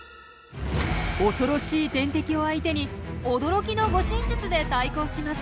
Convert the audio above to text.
怖ろしい天敵を相手に驚きの護身術で対抗します。